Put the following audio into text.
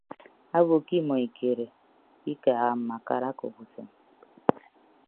Obo ke imọ ikere ikaaha mbakara akop usem.